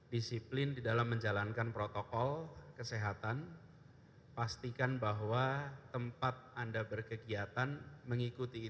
disiplin di dalam menjalankan protokol kesehatan pastikan bahwa tempatnya tempat tempatmu tempat tempatmu tempat tempatmu tempat tempatmu yang paling penting